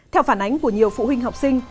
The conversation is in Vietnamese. theo phản ánh của nhiều phụ huynh học sinh